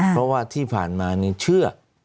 เพราะว่าที่ผ่านมานี่เชื่อ